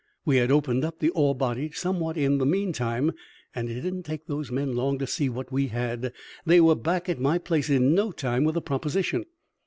We had opened up the ore body somewhat in the mean time, and it didn't take those men long to see what we had. They were back at my place in no time with a proposition.